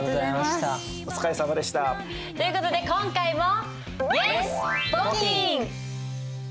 お疲れさまでした。という事で今回も。